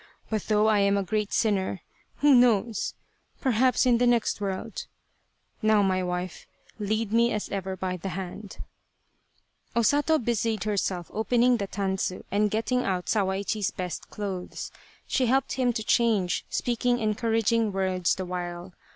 But though I am a great sinner ... who knows ? Perhaps in the next world ?... Now my wife, lead me as ever by the hand !" O Sato busied herself opening the tansu and getting out Sawaichi's best clothes. She helped him to change, speaking encouraging words the while.